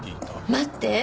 待って！